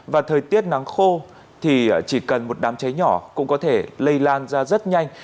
và thời tiết nắng khô thì chỉ cần một đám cháy nhỏ cũng có thể lây lan ra rất nhanh